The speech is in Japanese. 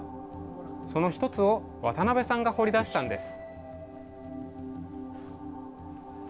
その１つを渡邊さんが掘り出したんです。